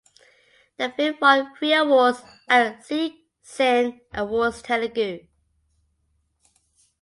The film won three awards at Zee Cine Awards Telugu.